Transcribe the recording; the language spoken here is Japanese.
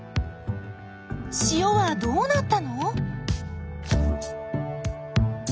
塩はどうなったの？